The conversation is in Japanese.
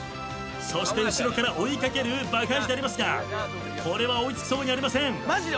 そして後ろから追い掛けるバカイジでありますがこれは追い付きそうにありません。